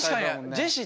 ジェシー